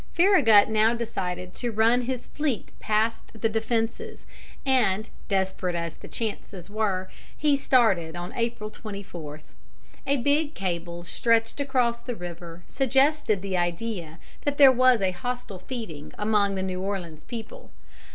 Farragut now decided to run his fleet past the defences, and, desperate as the chances were, he started on April 24. A big cable stretched across the river suggested the idea that there was a hostile feeling among the New Orleans people.